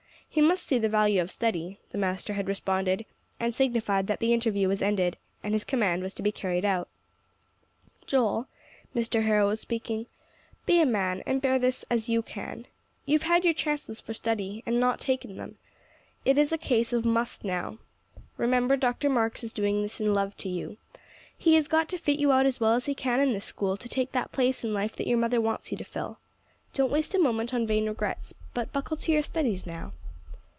He must see the value of study," the master had responded, and signified that the interview was ended, and his command was to be carried out. "Joel," Mr. Harrow was speaking "be a man, and bear this as you can. You've had your chances for study, and not taken them. It is a case of must now. Remember, Dr. Marks is doing this in love to you. He has got to fit you out as well as he can in this school, to take that place in life that your mother wants you to fill. Don't waste a moment on vain regrets, but buckle to your studies now."